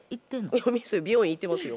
いや店美容院行ってますよ。